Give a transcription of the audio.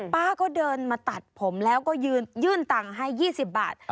ป้าก็เดินมาตัดผมแล้วก็ยื่นตังค์ให้๒๐บาท